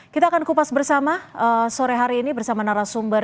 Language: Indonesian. kita akan kupas bersama sore hari ini bersama narasumber